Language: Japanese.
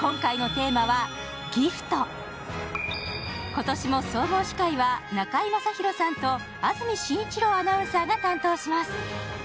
今年も総合司会は中居正広さんと安住紳一郎アナウンサーが担当します。